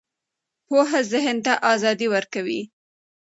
پوهه ذهن ته ازادي ورکوي